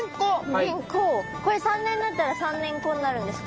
これ３年になったら３年子になるんですか？